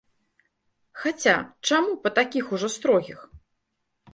Хаця, чаму па такіх ужо строгіх?